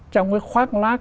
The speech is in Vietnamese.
trong cái khoác lác